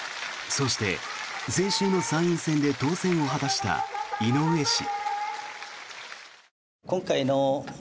そして先週の参院選で当選を果たした井上氏。